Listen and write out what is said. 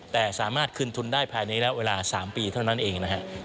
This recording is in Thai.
แต่สามารถคืนทุนได้ภายในระยะเวลา๓ปีเท่านั้นเองนะฮะ